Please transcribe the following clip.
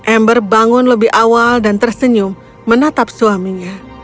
ember bangun lebih awal dan tersenyum menatap suaminya